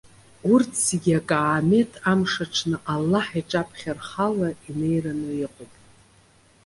Урҭ зегьы, акаамеҭ амш аҽны Аллаҳ иҿаԥхьа рхала инеираны иҟоуп.